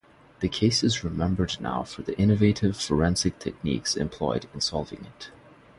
The case is remembered now for the innovative forensic techniques employed in solving it.